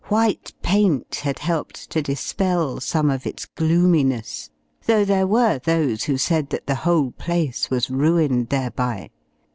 White paint had helped to dispel some of its gloominess, though there were those who said that the whole place was ruined thereby.